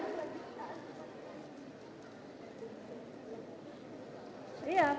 iya bebas narkoba enggak